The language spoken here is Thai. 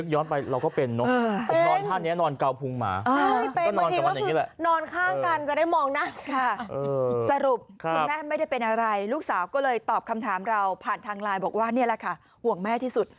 อย่างที่คุณรัชพรบอกว่า